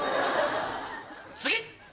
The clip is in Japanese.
次！